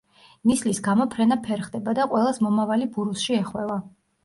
ნისლის გამო ფრენა ფერხდება და ყველას მომავალი ბურუსში ეხვევა.